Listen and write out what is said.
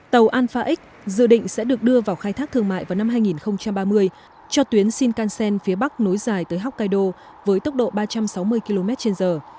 tàu alpha x dự định sẽ được đưa vào khai thác thương mại vào năm hai nghìn ba mươi cho tuyến shinkansen phía bắc nối dài tới hokkaido với tốc độ ba trăm sáu mươi km trên giờ